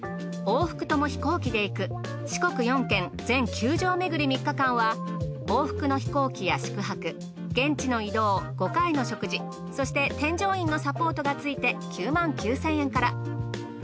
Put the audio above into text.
往復とも飛行機で行く四国４県全９城めぐり３日間は往復の飛行機や宿泊現地の移動５回の食事そして添乗員のサポートがついて９９，０００円から。